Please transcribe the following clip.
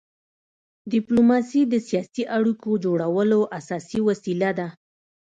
ډيپلوماسي د سیاسي اړیکو جوړولو اساسي وسیله ده.